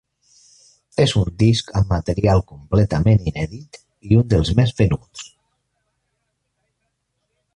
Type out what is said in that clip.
És un disc amb material completament inèdit i un dels més venuts.